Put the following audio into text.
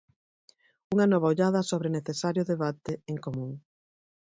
Unha nova ollada sobre necesario debate en común.